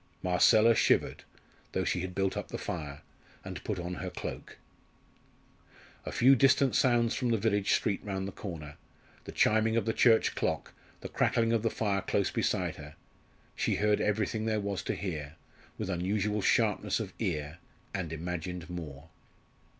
Marcella shivered, though she had built up the fire, and put on her cloak. A few distant sounds from the village street round the corner, the chiming of the church clock, the crackling of the fire close beside her she heard everything there was to hear, with unusual sharpness of ear, and imagined more.